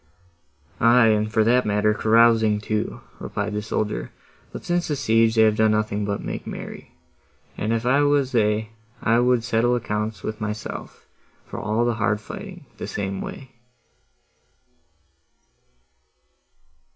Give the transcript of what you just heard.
"Aye, and for that matter, carousing too," replied the soldier, "but, since the siege, they have done nothing but make merry: and if I was they, I would settle accounts with myself, for all my hard fighting, the same way."